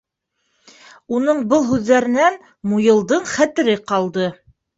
Уның был һүҙҙәренән Муйылдың хәтере ҡалды.